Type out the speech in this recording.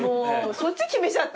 そっち決めちゃって。